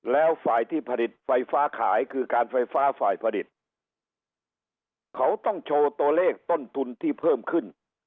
แล้วฝ่ายที่ผลิตไฟฟ้าขายคือการไฟฟ้าฝ่ายผลิตเขาต้องโชว์ตัวเลขต้นทุนที่เพิ่มขึ้น